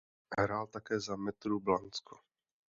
Hrál také za Metru Blansko.